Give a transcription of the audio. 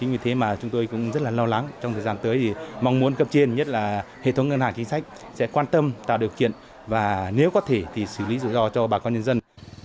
vì thế mà chúng tôi cũng rất là lo lắng trong thời gian tới thì mong muốn cấp trên nhất là hệ thống ngân hàng chính sách sẽ quan tâm tạo điều kiện và nếu có thể thì xử lý rủi ro cho bà con nhân dân